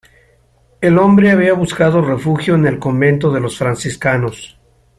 El hombre había buscado refugio en el convento de los franciscanos.